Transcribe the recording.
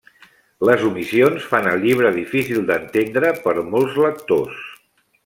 Les omissions fan el llibre difícil d'entendre per molts lectors.